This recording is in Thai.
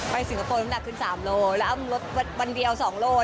ไปสิงคโปรน้ำหนักขึ้น๓โลกรัมแล้วรถวันเดียว๒โลกรัม